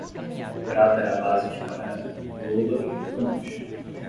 O prato era à base de camarão, lula e tomate